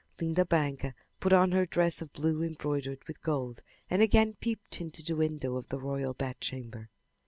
Linda Branca put on her dress of blue embroidered with gold and again peeped into the window of the royal bedchamber.